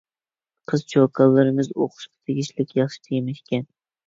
قىز-چوكانلىرىمىز ئوقۇشقا تېگىشلىك ياخشى تېما ئىكەن.